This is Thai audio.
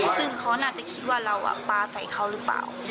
ซึ่งเขาน่าจะคิดว่าเราปลาใส่เขาหรือเปล่า